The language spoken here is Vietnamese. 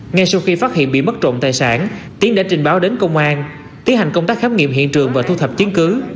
ngay sau khi phát hiện bị mất trộm tài sản tiến đã trình báo đến công an tiến hành công tác khám nghiệm hiện trường và thu thập chứng cứ